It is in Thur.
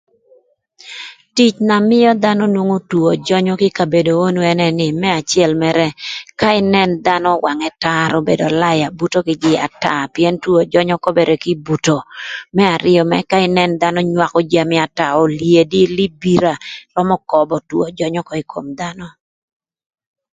Tic na mïö dhanö nwongo two jönyö kï ï kabedo onu ënë nï më acël mërë ka ïnën dhanö wangë tar obedo ölaya buto kï jïï ata pïën two jönyö köbërë kï buto, më arïö mërë ka ïnën dhanö nywakö jami ata olyedi, libira römö köbö two jönyö ökö ï kom dhanö